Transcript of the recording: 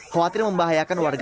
khawatir membahayakan warga